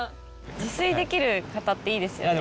自炊できる方っていいですよね。